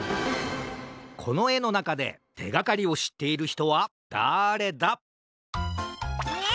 このえのなかでてがかりをしっているひとはだれだ？え！？